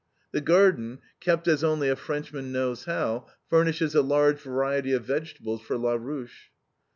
The garden, kept as only a Frenchman knows how, furnishes a large variety of vegetables for LA RUCHE.